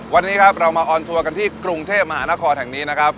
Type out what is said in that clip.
วันนี้ครับเรามาออนทัวร์กันที่กรุงเทพมหานครแห่งนี้นะครับ